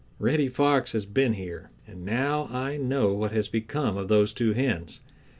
Reddy Fox has been here, and now I know what has become of those two hens.